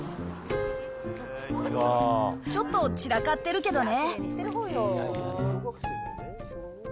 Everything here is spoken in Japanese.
ちょっと散らかってるけどね。